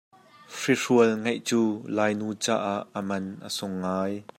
Hrihrual ngeih cu Lainu caah a man a sung ngai.